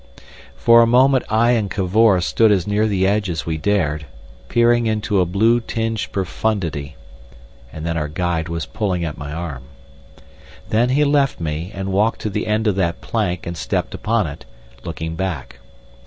For a moment I and Cavor stood as near the edge as we dared, peering into a blue tinged profundity. And then our guide was pulling at my arm. Then he left me, and walked to the end of that plank and stepped upon it, looking back.